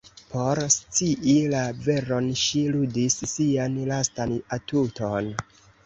Por scii la veron, ŝi ludis sian lastan atuton.